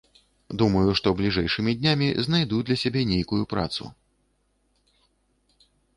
Думаю, што бліжэйшымі днямі знайду для сябе нейкую працу.